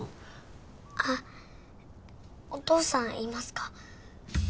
あっお父さんいますか？